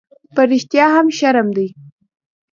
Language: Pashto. _په رښتيا هم، شرم دی؟